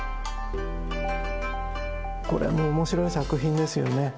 これも面白い作品ですよね。